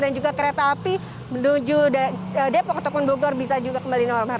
dan juga kereta api menuju depok ataupun bogor bisa juga kembali normal